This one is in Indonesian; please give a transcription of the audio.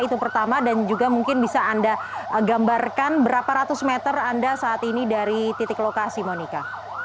itu pertama dan juga mungkin bisa anda gambarkan berapa ratus meter anda saat ini dari titik lokasi monika